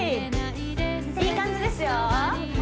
いい感じですよ